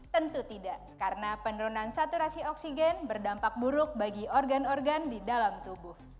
tentu tidak karena penurunan saturasi oksigen berdampak buruk bagi organ organ di dalam tubuh